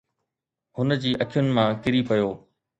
هن جي اکين مان ڪري پيو.